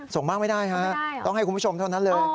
ส่งมากไม่ได้ฮะต้องให้คุณผู้ชมเท่านั้นเลย